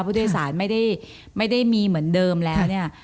ผู้โดยสารไม่ได้มีเหมือนเดิมแล้วเนี่ย